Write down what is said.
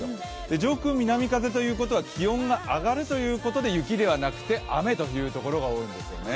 上空、南風ということは気温が上がるということで雪ではなくて雨という所が多いんですよね。